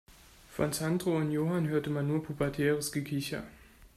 Von Sandro und Johann hörte man nur pubertäres Gekicher.